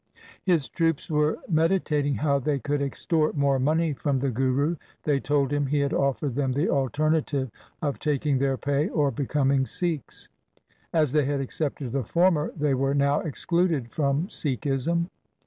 His troops were meditating how they could extort more money from the Guru. They told him he had offered them the alternative of taking their pay or becoming Sikhs. As they had accepted the former, they were now excluded from Sikhism.